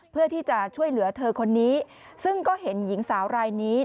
เพื่อที่จะช่วยเหลือเธอคนนี้ซึ่งก็เห็นหญิงสาวรายนี้